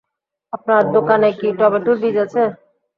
আপনার দোকানে কী টমেটোর বীজ আছে?